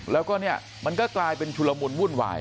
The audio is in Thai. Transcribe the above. แล้วก็เนี่ยมันก็กลายเป็นชุลมุนวุ่นวาย